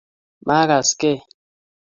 Makas kei.